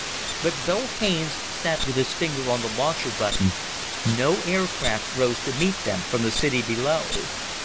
But though Haines sat with his finger on the launcher button, no aircraft rose to meet them from the city below.